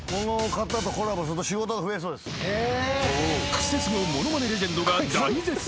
［クセスゴものまねレジェンドが大絶賛］